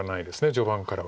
序盤からは。